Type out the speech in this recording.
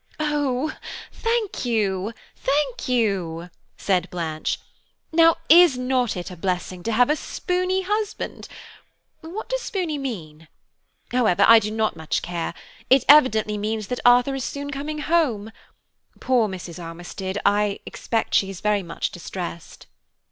"Oh, thank you, thank you," said Blanche. "Now, is not it a blessing to have a spooney husband? What does spooney mean? However, I do not much care, it evidently means that Arthur is soon coming home. Poor Mrs. Armistead, I suppose she is very much distressed."